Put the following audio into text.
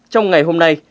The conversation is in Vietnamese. trong ngày hôm nay